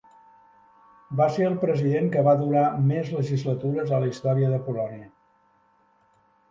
Va ser el president que va durar més legislatures a la història de Polònia.